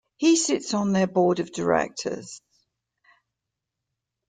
He sits on their board of directors.